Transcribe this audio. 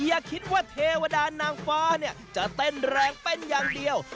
อย่าคิดว่าเทวดานางฟ้าเนี่ยจะเต้นแรงเป็นอย่างเดียว